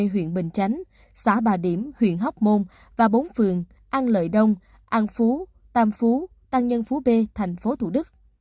huyện bình chánh xã bà điểm huyện hóc môn và bốn phường an lợi đông an phú tam phú tăng nhân phú b thành phố thủ đức